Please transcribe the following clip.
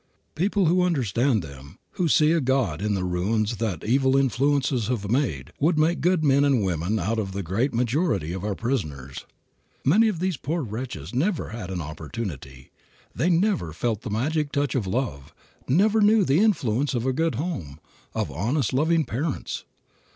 People who understand them, who see a God in the ruins that evil influences have made, would make good men and women out of the great majority of our prisoners. Many of these poor wretches never had an opportunity. They never felt the magic touch of love, never knew the influence of a good home, of honest, loving parents.